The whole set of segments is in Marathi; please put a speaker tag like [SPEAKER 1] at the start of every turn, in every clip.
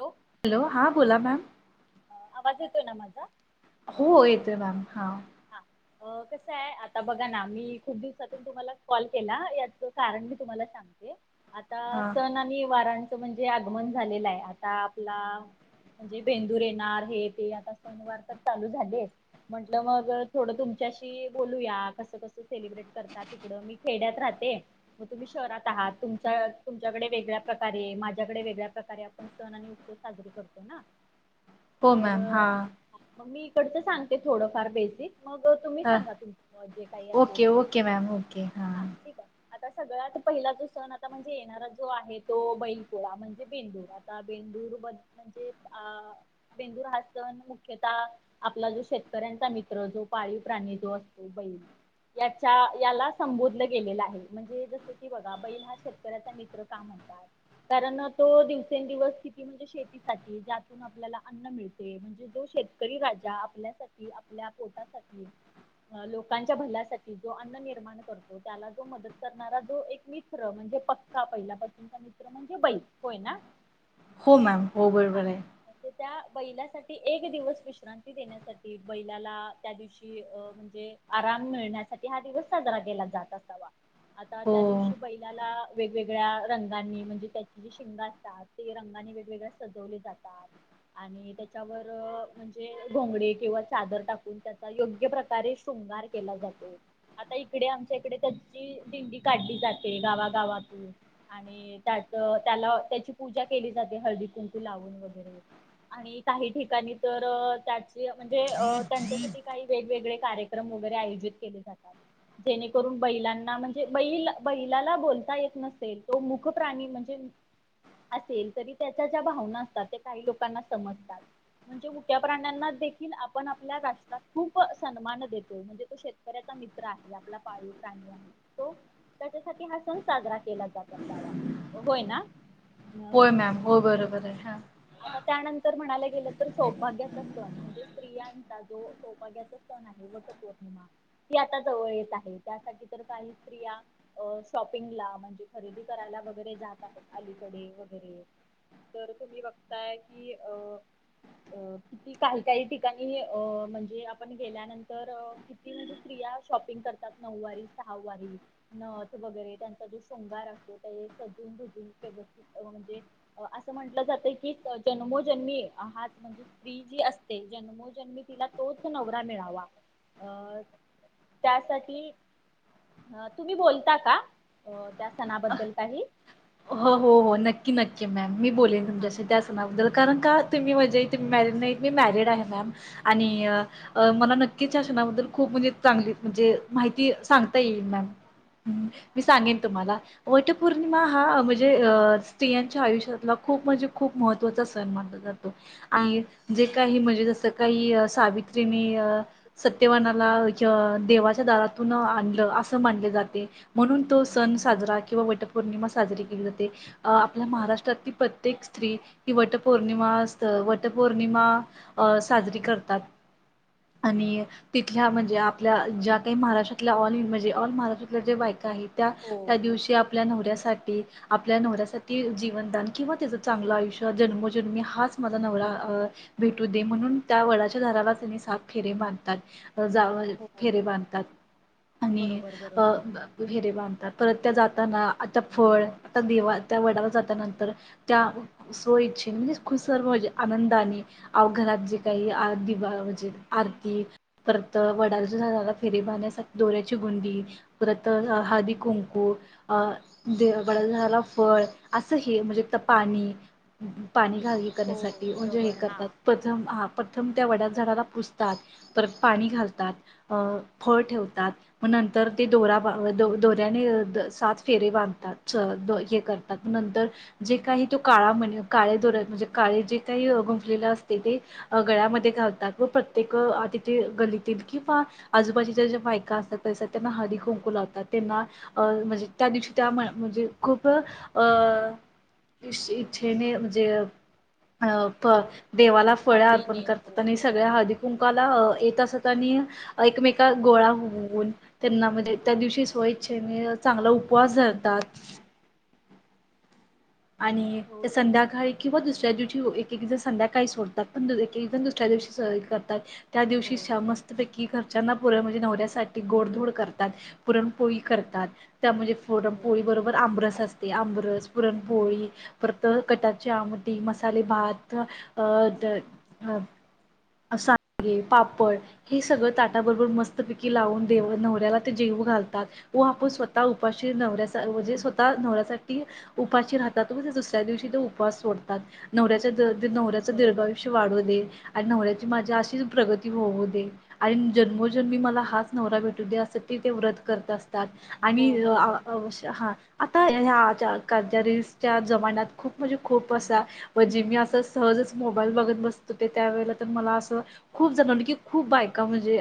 [SPEAKER 1] हॅलो.
[SPEAKER 2] हॅलो, हां बोला मॅम.
[SPEAKER 1] आवाज येतोय ना माझा.
[SPEAKER 2] हो येते मॅम हा.
[SPEAKER 1] हा हो. कसं आहे, आता बघा ना, मी खूप दिवसातून तुम्हाला कॉल केला, याचं कारण मी तुम्हाला सांग आता
[SPEAKER 2] हां
[SPEAKER 1] सण आणि वारांचं म्हणजे आगमन झालेलं आहे, आता आपला म्हणजे भेंदूर येणार, हे ते आता सनवार तर चालू झाले, म्हंटलं मग, अग थोडं तुमच्याशी बोलूया, कसं कसं सेलिब्रेट करतात तिकडं, मी खेड्यात राहते. म तुम्ही शहरात आहात, तुमच्या तुमच्याकडे वेगळ्या प्रकारे, माझ्याकडे वेगळ्या प्रकारे, आपन सण आणि उत्सव साजरी करतो ना.
[SPEAKER 2] हो
[SPEAKER 1] तर
[SPEAKER 2] मॅम हां
[SPEAKER 1] मग मी इकडचं सांगते थोडंफार बेसिक, मग तुम्ही
[SPEAKER 2] हां
[SPEAKER 1] सांगा तुमच्, जे काही असेल
[SPEAKER 2] ओके
[SPEAKER 1] ते,
[SPEAKER 2] ओके मॅम ओके हां
[SPEAKER 1] हा ठीके. आता सगळ्यात पहिला जो सण आता म्हणजे येणारा जो आहे तो, बैलपोळा म्हणजे बेंदुर. आता बेंदूर ब म्हणजे अ बेंदूर हा सण मुख्यतः आपला जो शेतकऱ्यांचा मित [unintelligible] याच्या याला संबोधलं गेलेलं आहे, म्हणजे जस की बघा बैल हा शेतकऱ्याचा मीत मित्र का म्हणता? कारण तो दिवसेंदिवस किती म्हणजे शेतीसाठी ज्यातून आपल्याला अन्न मिळते. जो शेतकरी राजा, आपल्यासाठी, आपल्या पोटासाठी. लोकांच्या भल्यासाठी जो अन्न निर्माण करतो, त्याला जो मदत करणारा, जो एक मी मित्र म्हणजे पक्का पहिल्यापासूनचा मित्र म्हणजे बाईक होय ना.
[SPEAKER 2] हो मॅम हो
[SPEAKER 1] हा
[SPEAKER 2] बरोबर आहे.
[SPEAKER 1] म्हणजे त्या बैलासाठी एक दिवस विश्रांती देण्यासाठी बैलाला त्या दिवशी. म्हणजे आराम मिळण्यासाठी हा दिवस साजरा केला जात असावा. आता
[SPEAKER 2] हो
[SPEAKER 1] त्या दिवशी बैलाला वेगवेगळ्या रंगांनी म्हणजे त्याची जी शिंग असतात. ते रंगाने वेगवेगळे्या सजवले जातात. आणि त्याच्यावर म्हणजे घोंगडे किंवा. चादर टाकून त्याचा योग्य प्रकारे शृंगार केला जातो. आता इकडे आमच्या इकडे त्याची दिंडी काढली जाते गावागावातून. आणि त्यात त्याला त्याची पूजा केली जाते हळदी कुंकू लावून वगैरे. आणि काही ठिकाणी तर त्याची म्ह. जे त्यांच्यासाठी काही वेगवेगळे कार्यक्रम वगैरे आयोजित केले जातात. जेणेकरून बैलांना म्हणजे बैल बैलाला बोलता येत नसेल. तो मुखप्राणी म्हणजे. असेल तरी त्याच्या ज्या भावना असतात ते काही लोकांना समजतात. म्हणजे मुक्या प्राण्यांना आपण आपल्या राष्ट्रात खूप सन्मान देतो, म्हणजे तो शेतकऱ्याचा मित्र आहे, आपला पाळीव प्राणी आहे. तो, त्याच्यासाठी हा सण साजरा केला जात असावा, होय ना. अ
[SPEAKER 2] होय मॅम, हो बरोबरे, हा.
[SPEAKER 1] आता त्यानंतर म्हणायला गेलं तर सौभाग्याचा सण, म्हणजे स्त्रियांचा जो सौभाग्याचा सण आहे. वट पौर्णिमा ती आता जवळ येत आहे त्यासाठी तर काही स्त्रिया. अ शॉपिंगला म्हणजे खरेदी करायला वगैरे जात आहेत अलीकडे वगैरे. तर तुम्ही बघताय की अं. अ किती काही काही ठिकाणी अ म्हणजे आपण गेल्यानंतर. म्हणजे स्त्रिया शॉपिंग करतात नऊवारी सहा वारी. नथ वगैरे त्यांचा जो शृंगार असतो त्या सजून जून व्यवस्थित म्हणजे असं म्हटलं जातं की जन्मोजन्मी हाच म्हणजे स्त्री जी असते जन्मोजन्मी तिला तोच नवरा मिळावा. अ त्यासाठी अ तुम्ही बोलता का त्या सणाबद्दल काही?
[SPEAKER 2] हो हो हो नक्की नक्की मॅम मी बोलेन
[SPEAKER 1] हा
[SPEAKER 2] तुमच्याशी त्या सणाबद्दल
[SPEAKER 1] बोला
[SPEAKER 2] कारण का तुम्ही म्हणजेही मॅरड नाही मी मॅरिड आहे मॅम आणि अ मला नक्कीच शषणाबद्दल खूप म्हणजे चांगली म्हणजे माहिती सांगता येईल मॅम. मी सांगन तुम्हाला वटपौर्णिमा हा म्हणजे स्त्रियांच्या आयुष्यातला खूप म्हणजे खूप महत्त्वाचा सण मानला जातो. आणि जे काही म्हणजे जसं काही सावित्रीनी अ सत्यवानाला देवाच्या दारातून आणलं असं मानले जाते. म्हणून तो सण साजरा किंवा वटपौर्णिमा साजरी केली जाते, आपल्या महाराष्ट्रातली प्रत्येक ही वटपौर्णिमा अस वटपौर्णिमा साजरी करतात. आणि तिथल्या म्हणजे आपल्या ज्या काही महाराष्ट्रातल्या ऑल इ म्हणजे ऑल महाराष्ट्रातल्या जे बायक आहेत. त्या
[SPEAKER 1] हो
[SPEAKER 2] त्या दिवशी आपल्या नवऱ्यासाठी आपल्या नवऱ्यासाठी जीवनदान किंवा त्याचं चांगलं आयुष्य जन्मोजन्मी हाच माझा नवरा. भेटू दे म्हणून त्या वडाच्या दाराला त्यांनी सापखेरे मानतात.
[SPEAKER 1] हो
[SPEAKER 2] फेरे बांधतात आणि
[SPEAKER 1] बरोबर बरोबर
[SPEAKER 2] हरे बांधतात परत त्या जाताना आता. फळ आता देवा त्या वडावर जातानंतर त्या सो इच्छ म्हणजे खु सर्वजे आनंदाने अ घरात जे काही दिवा म्हणजे आरती परत वडाच्या झाडाला फेरी बांधण्यासाठी दोऱ्याची गुंडी पुरत हळदी कुंकु अ दे वड्या झाडाला फळ असं हे म्हणजे तर पाणी पाणी घावी
[SPEAKER 1] हो
[SPEAKER 2] करण्यासाठी म्हणजे हे
[SPEAKER 1] बरोबर हा
[SPEAKER 2] करतात प्रथम हा प्रथम त्या वड्यात झाडाला पुजतात. परत पाणी घालतात अ फळ ठेवतात. मग नंतर ते दोरा दोऱ्याने सात फेरे बांध. हे करतात नंतर जे काही तो काळा म्हण काळे दोरत म्हणजे काळे जे काही गुंपलेलं असते ते गळ्यामध्ये घालतात व प्रत्येक तिथे गलीतील किंवा आजूबाजीच्या ज्या बायका असतात तस त्यांना हळदी कुंकू लावतात त्यांना अं म्हणजे त्या दिवशी त्यामुळे म्हणजे खूप अ इच्छेने म्हणजे अ प देवाला फळ्या अर्पण
[SPEAKER 1] आवडीने हो
[SPEAKER 2] करतात आणि सगळ्या
[SPEAKER 1] बरोबर
[SPEAKER 2] हळदी कुंकाला येत असत आणि एकमेका गोळा होऊन त्यांना म्हणजे त्या दिवशी स्वच्छेने चांगला उपवास झाला. [unintelligible] आणि
[SPEAKER 1] हो
[SPEAKER 2] त्या
[SPEAKER 1] वेगवेगळ्या
[SPEAKER 2] संध्याकाळी किंवा दुसऱ्या दिवशी एक एक जण संध्याकाळी सोडतात पण एक एक जण दुसऱ्या दिवशी स करतात. त्या
[SPEAKER 1] हो
[SPEAKER 2] दिवशी श्या मस्त व कि घरच्याना पुरण म्हणजे नवऱ्यासाठी गोडधोड करतात पुरण पोळी करतात त्या म्हणे पुरण
[SPEAKER 1] हो
[SPEAKER 2] पोळी बरोबर आंबरस असते आंबरस पुरण पोळी परत कटाची आमटी, मसाले भात अ सांडगे, पापड हे सगळं ताटाबरोबर मस्त पिकी लावून देव नवऱ्याला ते जेवू घालतात. व आपण स्वतः उपाशी नवऱ्या म्हणजे स्वतः नवऱ्यासाठी उपाशी राहतात म दुसऱ्या दिवशी ते उपास सोडतात. नवऱ्याचा द नवऱ्याचं
[SPEAKER 1] बरोबर
[SPEAKER 2] दर्भायुष्य वाढवू दे आणि नवऱ्याची माझी अशीच प्रगती होऊ दे आणि जन्मोजन्मी मला हाच नवरा भेटू दे, असत ते ते व्रत करत असतात. आणि
[SPEAKER 1] हो बरोबर
[SPEAKER 2] ह आता ह्या आ कज रिल्सच्या जमान्यात खूप म्हणजे खूप असा म्हणजे मी असं सहजच मोबाईल बघत बसत ते त्यावेेळेला तर मला असं खूप जणां की खूप बायका म्हणजे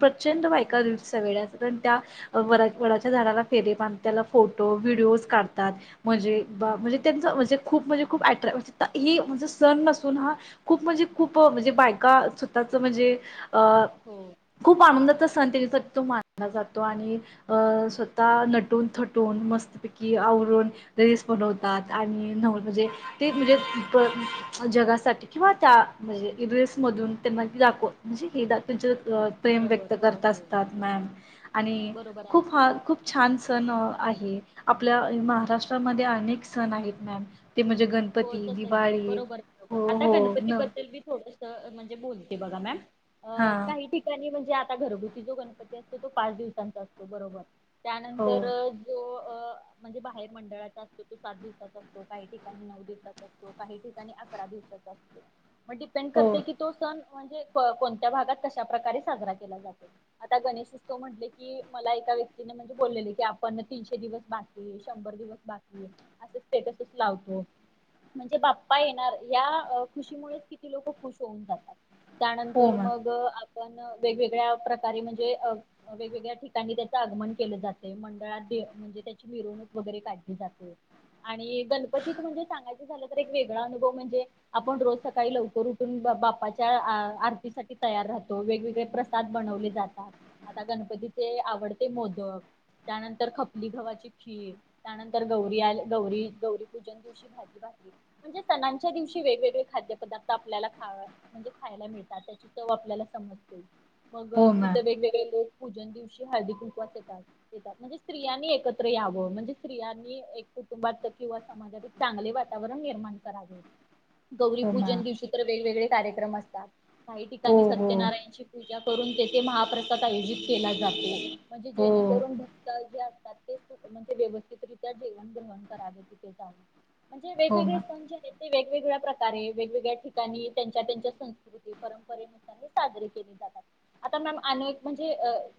[SPEAKER 2] प्रचंड बायका सगळ्या कारण त्या व वडच्या झाडाला फेरे आणि त्याला फोटो व्हिडिओज काढतात. म्हणजे म्हणजे त्यांच म्हणजे खूप म्हणजे खूप अट्रॅ म्हणजे म्हणजे सण नसून हा खूप म्हणजे खूप म्हणजे बायका स्वतःच म्हणजे अ.
[SPEAKER 1] हो.
[SPEAKER 2] खूप आनंदाचा सण त्याच्याचा तो मानला जातो आणि स्वतः नटून थटून मस्तीपैकी आवरून. रेस बनवतात आणि नवह म्हणजे. ते म्हणजे जगासाठी किंवा त्या म्हणजे रेस मधून त्यांना दाखव म्हणजे हे तु प्रेम
[SPEAKER 1] बरोबर
[SPEAKER 2] व्यक्त
[SPEAKER 1] हो
[SPEAKER 2] करत
[SPEAKER 1] हो
[SPEAKER 2] असतात मॅम आणि
[SPEAKER 1] बरोबर आहे
[SPEAKER 2] खूप हा खूप खूप छान सण आहे आपल्या महाराष्ट्रामध्ये अनेक सण आहेत. ते म्हणजे गण
[SPEAKER 1] हो जस की बरोबर बरोबर आता गणपती
[SPEAKER 2] न
[SPEAKER 1] बद्दल मी थोड म्हणजे बोलते बघा मम
[SPEAKER 2] हां
[SPEAKER 1] काही ठिक त्याणी म्हणजे आता घरगुती जो गणपती असतो तो पाच दिवसांचा असतो बरोबर
[SPEAKER 2] हो
[SPEAKER 1] त्यानंतर जो म्हणजे बाहेर मंडळाचा असतो तो सात दिवसाचा असतो काही ठिकाणी नऊ ठा अव ं तो स [unintelligible]
[SPEAKER 2] हो
[SPEAKER 1] म्हणजे कोणत्या भागात कशा प्रकारे साजरा केला जातो आता गणेश म्हट की मला एका व्यक्तीने म्हणजे बोलले की आपण तीनशे दिवस बातली शंभर दिवस बाकी असं तेटसच लावतो म्हणजे बाप्पा येणार या खुशीमुळेच किती लोक खुश होऊन जातात.
[SPEAKER 2] हो
[SPEAKER 1] त्यानंतर
[SPEAKER 2] मॅम
[SPEAKER 1] मग आपण वेगवेगळ्या प्रकारे म्हणजे अ. वेगवेगळ्या ठिकाणी त्याचं आगमन केलं जाते मंडळात मिव व जात गणत झालं तर एक वेगळा अनुभव म्हणजे. आपण रोज सकाळी लवकर उठून बाप्पाच्या आरतीसाठी तयार राहतो वेगवेगळे प्र ात बनवले जातात आता गणपतीचे आवडते मोदक त्यानंतर खपली गवा्हाची खीर त्यानंतर गौरी आल्या गौरी गौरीपूजन दिवशी भाजी. म्हणजे सणांच्या दिवशी वेगवेगळे खाद्यपदार्थ आपल्याला खा म्हणजे खायला मिळतात त्याची चव आपल्याला समजते मग
[SPEAKER 2] हो मॅम
[SPEAKER 1] तिथं वेगवेगळे लोक. पूजन दिवशी हाळदी कुंकवास येतात. येतात म्हणजे स्त्रियां एकत्र यावं म्हणजे स्त्रियांनी एक कुटुंबात किंवा समाजात एक चांगले वाट. वातावरण निर्माण करावे
[SPEAKER 2] हो मा
[SPEAKER 1] गौरीपूजन दिवशी तर वेगवेगळे कार्यक्रम असतात. काही
[SPEAKER 2] हो
[SPEAKER 1] ठिकाणी
[SPEAKER 2] हो
[SPEAKER 1] सत्यनारायणची पूजा. करून तेथे महाप्रद आयोजित केला जातो म्हणजे
[SPEAKER 2] हो
[SPEAKER 1] जेणेकरून भक्त जे असतात ते. म्हणजे व्यवस्थितरित्या जेवण ग्रहण करावे तिथे जाऊन म्हणजे
[SPEAKER 2] हो
[SPEAKER 1] वेगवेगळे
[SPEAKER 2] मा
[SPEAKER 1] सण जे ते वेगवेगळ्या प्रकारे वेगवेगळ्या ठिकाणी त्यांच्या त्यांच्या संस्कृती परंपरे. साजरी केले जातात. आता मॅम अन एक म्हणजे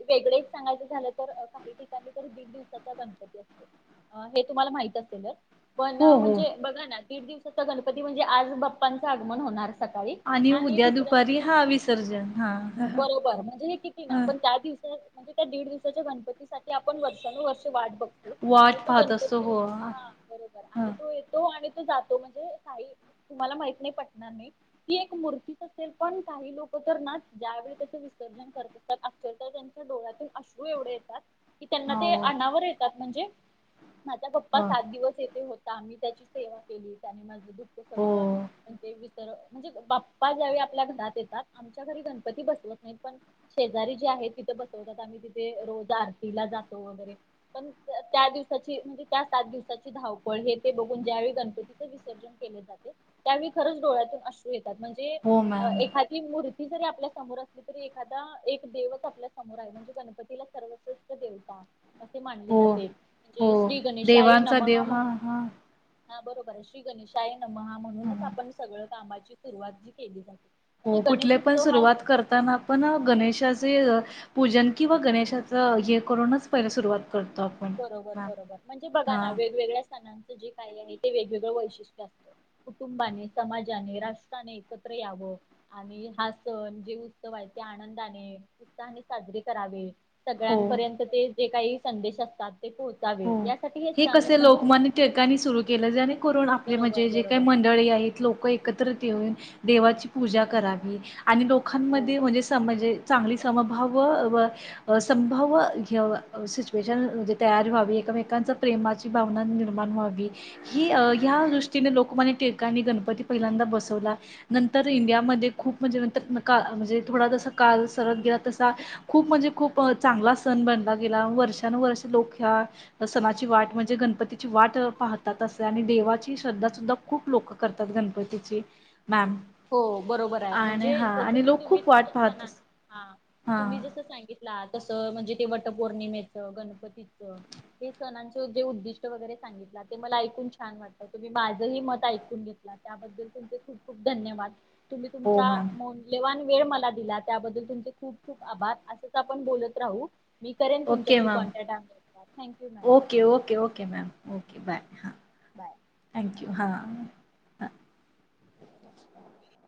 [SPEAKER 1] वेगळेच सांगायचं झालं तर काही ठिकाणी तर. दिवसा गणपती असतो हे तुम्हाला माहित असेलच. पण
[SPEAKER 2] हो हो
[SPEAKER 1] म्हणजे बघा ना दीड दिवसाचा गणपती म्हणजे आज बाप्पांचं आगमन होणार. सकाळी
[SPEAKER 2] आणि उद्या
[SPEAKER 1] दुसऱ्या दिव-
[SPEAKER 2] दुपारी हा विसर्जन हा. ह
[SPEAKER 1] बरोबर म्हणजे हे किती ना पण त्या दिवस. म्हणजे त्या दीड दिवसाच्या गणपतीसाठी आपण वर्षानुवर्ष वाट बघतो. पण
[SPEAKER 2] वाट
[SPEAKER 1] तो
[SPEAKER 2] पाहत असं
[SPEAKER 1] गणपती
[SPEAKER 2] हो.
[SPEAKER 1] हा बरोबर आणि तो येतो आणि तो जातो म्हणजे काही तुम्हाला माहित नाही पटणार नाही. ही एक मूर्तीच असेल पण काही लोक तर ना, ज्यावेेळी त्याचे विसर्जन करत आसल तर त्यांच्या डोळ्यातून अश्रू एवढे येतात. कि त्यांना ते
[SPEAKER 2] हो
[SPEAKER 1] अणावर येतात म्हणजे? माझा बप्पा
[SPEAKER 2] हो
[SPEAKER 1] सात दिवस येथे होता मी त्याची सेवा केली त्याने माझं दुःख
[SPEAKER 2] हो
[SPEAKER 1] सगळं ते विसर म्हणजे बाप्पा ज्यावेळी आपल्या घरात येतात. आमच्या घरी गणपती बसवत नाहीत पण शेजारी जे आहे तिथे बसवतात. आम्ही तिथे रोज आरतीला जातो वगैरे पण त्या दिवसाची म्हणजे त्या सात दिवसाची धावपळ, हे ते बघून ज्यावेळी गणपतीचं विसर्जन केले. त्यावेळी खरच डोळ्यात येतात म्हणजे
[SPEAKER 2] हो
[SPEAKER 1] अ
[SPEAKER 2] मॅम
[SPEAKER 1] एखादी मूर्ती जरी आपल्या समोर असली तरी एखादा एक देवच, आपल्या समोर आहे म्हणजे गणपतीला सर्वश्रेष्ठ देवता. असे मानले
[SPEAKER 2] हो
[SPEAKER 1] जाते जे
[SPEAKER 2] हो
[SPEAKER 1] श्री गणेशाय
[SPEAKER 2] देवांचा
[SPEAKER 1] नमः
[SPEAKER 2] देव
[SPEAKER 1] म
[SPEAKER 2] हा हा
[SPEAKER 1] हा बरोबर आहे श्री गणेशाय नमह म्हणूनच
[SPEAKER 2] हा.
[SPEAKER 1] आपण सगळं कामाची सुरुवात जी केली जाते. म्हणजे
[SPEAKER 2] हो कुठले पण
[SPEAKER 1] गणेशोत्सव हा
[SPEAKER 2] सुरुवात करताना पण गणेशाचे पूजन किंवा गणेशाचं हे करूनच पहिला सुरुवात करतो आप
[SPEAKER 1] बरोबर बरोबर म्हणजे बघा ना, वेगवेगळ्या सणांचं जे काही आहे तेेगवेगळं वैशिष्ट्य असतं. कुटुंबाने समाजाने राष्ट्राने एकत्र यावं. आणि हा सण जे उत्सव आहे ते आनंदाने उत्साहाने साजरे करावे.
[SPEAKER 2] हो
[SPEAKER 1] सगळ्यांपर्यंत ते जे काही संदेश असतात ते पोहच.
[SPEAKER 2] हो हे कस लोकमान्य टिळकांणी सुरू केलं, जेणेकरून आपले म्हणजे
[SPEAKER 1] बरोबर
[SPEAKER 2] जे काही
[SPEAKER 1] बरोबर
[SPEAKER 2] मंडळी आहेत. लोक एकत्र येऊन देवाची पूजा करावी. आणि
[SPEAKER 1] हो
[SPEAKER 2] लोकांमध्ये म्हणजे समजे चांगली समभाव व संभाव ह्य सिचुएशन म्हणजे तयार व्हा एकमेकांच्या प्रेमाची भावना निर्माण व्हावी. ही ह्या दृष्टीने लोकमान्य टिळकांणी गणपती पहिल्यांदा बसवला. नंतर इंडियामध्ये खूप म्हणजे, नंतर का म्हणजे, थोडा जसा काल सरत गेला तसा खूप, म्हणजे खूप, चांगला सण बनला गेला वर्षानुवर्ष लोक ह्या सणाची वाट म्हणजे गणपतीची वाट पाहतात. असते आणि देवाची श्रद्धा सुद्धा खूप लोक करतात गणपतीची मॅम
[SPEAKER 1] हो बरोबर आहे
[SPEAKER 2] आणि
[SPEAKER 1] म्हणजे
[SPEAKER 2] हा
[SPEAKER 1] जसं
[SPEAKER 2] आणि
[SPEAKER 1] की
[SPEAKER 2] लोक
[SPEAKER 1] तुम्ही
[SPEAKER 2] खूप वाट
[SPEAKER 1] तुमच्या
[SPEAKER 2] पाहत
[SPEAKER 1] नांन,
[SPEAKER 2] अस
[SPEAKER 1] हा
[SPEAKER 2] हा
[SPEAKER 1] तुम्ही जस सांगित ला तस म्हणजे ते वटपौर्णिमेचं गणपतीचं हे सणांचं जे उद्दिष्ट वगैरे सांगितलं ते मला ऐकून छान वाट तुम्ही माझंही मत ऐकून घेतला त्याबद्दल तुमचे खूप खूप धन्यवाद तुम्ही
[SPEAKER 2] हो
[SPEAKER 1] तुमचा
[SPEAKER 2] मॅम
[SPEAKER 1] मो मुल्यवान वेळ मला दिला त्याबद्दल तुमचे खूप खूप आभार असंच आपण बोलत राहू. मी करेन
[SPEAKER 2] ओके
[SPEAKER 1] तुमशी
[SPEAKER 2] मॅम
[SPEAKER 1] कॉन्टॅटा thank you ma'am.
[SPEAKER 2] Okay, okay, okay, ma'am okay bye हां
[SPEAKER 1] बाय
[SPEAKER 2] थँक्यू हां.
[SPEAKER 1] [inaudible]